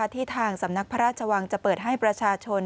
ที่ทางศพราชวังส์จะเปิดให้ประชาชน